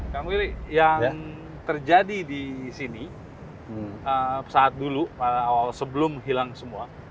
kamu ngilik yang terjadi di sini saat dulu sebelum hilang semua